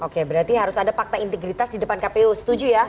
oke berarti harus ada fakta integritas di depan kpu setuju ya